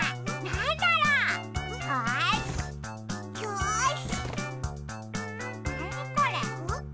なにこれ？